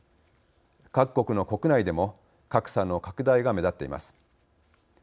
各国の国内でも格差の拡大が目立っています。